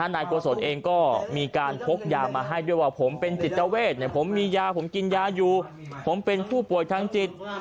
นายโกศลเองก็มีการพกยามาให้ด้วยว่าผมเป็นจิตเวทผมมียาผมกินยาอยู่ผมเป็นผู้ป่วยทางจิต